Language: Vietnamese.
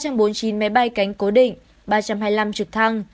bốn trăm bốn mươi chín máy bay cánh cố định ba trăm hai mươi năm trực thăng